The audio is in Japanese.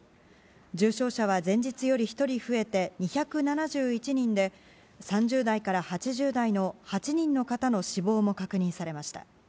重症者は前日より１人増えて２７１人で３０代から８０代の８人の方の死亡も確認されました。